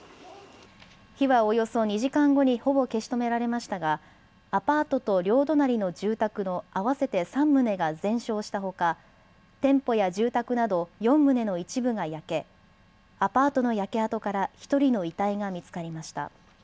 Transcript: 火はおよそ２時間後にほぼ消し止められましたがアパートと両隣の住宅の合わせて３棟が全焼したほか店舗や住宅など４棟の一部が焼け、アパートの焼け跡から１人の遺体が見つかりました。